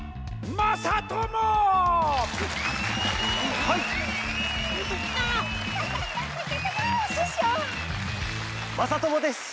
まさともです。